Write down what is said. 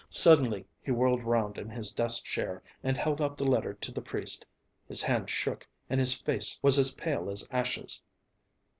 Suddenly he whirled round in his desk chair and held out the letter to the priest. His hand shook and his face was as pale as ashes.